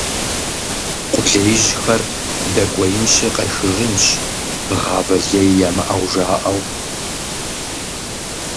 Къулеижьхэр дэкӀуеинщи къехыжынщ, гъавэ лей ямыӀэу жаӀэу.